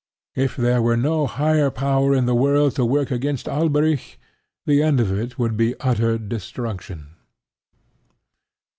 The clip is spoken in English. If there were no higher power in the world to work against Alberic, the end of it would be utter destruction.